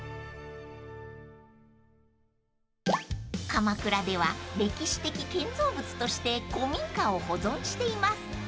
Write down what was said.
［鎌倉では歴史的建造物として古民家を保存しています］